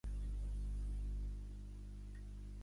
"Heer" és la més famosa de "Quissa of Punjab".